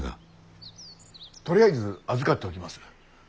とりあえず預かっておきます。